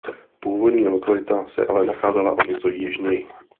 Původní lokalita se ale nacházela o něco jižněji.